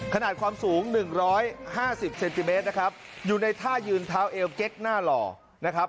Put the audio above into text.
ขนาดความสูง๑๕๐เซนติเมตรนะครับอยู่ในท่ายืนเท้าเอวเก๊กหน้าหล่อนะครับ